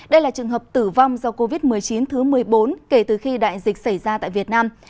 đây là trường hợp tử vong do covid một mươi chín thứ một mươi bốn kể từ khi đại dịch xảy ra tại việt nam